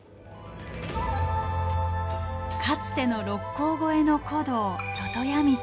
かつての六甲越えの古道魚屋道。